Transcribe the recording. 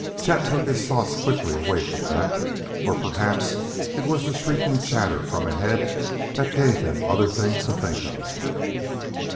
Chet took his thoughts quickly away from that. Or perhaps it was the shrieking chatter from ahead that gave him other things to think of.